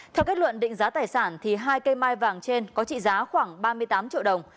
theo kết luận định giá tài sản hai cây mai vàng trên có trị giá khoảng ba mươi tám triệu đồng